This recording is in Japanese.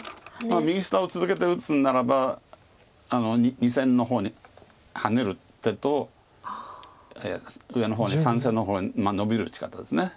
右下を続けて打つんならば２線の方にハネる手と上の方に３線の方にノビる打ち方です。